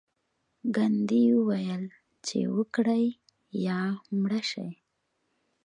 ګاندي وویل چې وکړئ یا مړه شئ.